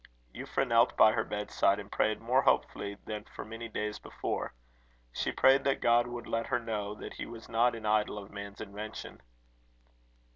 Euphra knelt by her bedside, and prayed more hopefully than for many days before. She prayed that God would let her know that he was not an idol of man's invention.